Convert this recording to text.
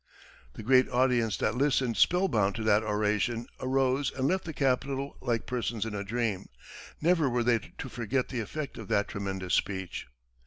The great audience that listened spellbound to that oration, arose and left the Capitol like persons in a dream. Never were they to forget the effect of that tremendous speech.